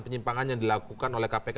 penyimpangan yang dilakukan oleh kpk